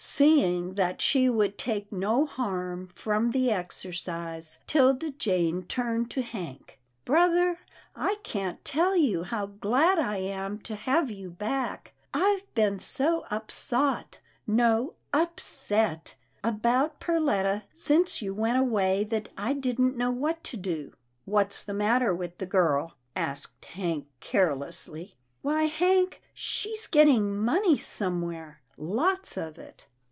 Seeing that she would take no harm from the exercise, 'Tilda Jane turned to Hank, " Brother, I can't tell you how glad I am to have you back. I've been so upsot — no upset, about Perletta since you went away that I didn't know what to do." " What's the matter with the girl? " asked Hank carelessly. " Why Hank, she's getting money somewhere — lots of it."